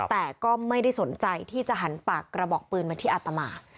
แต่ก็ไม่ได้สนใจที่จะหันปากกระบอกปืนมาที่อาตมา